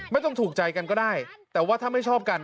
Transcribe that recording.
ไม่ต้องถูกใจกันก็ได้แต่ว่าถ้าไม่ชอบกัน